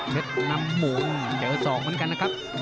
เท็ดน้ำหมูนเจอะสองเหมือนกันน่ะครับ